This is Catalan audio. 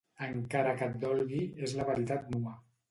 Encara que et dolgui, és la veritat nua.